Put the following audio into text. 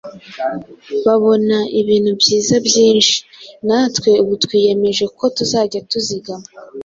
babona ibintu byiza byinshi. Natwe ubu twiyemeje ko tuzajya tuzigama